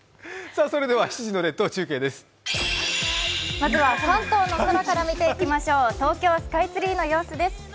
まずは関東の空から見ていきましょう東京スカイツリーの様子です。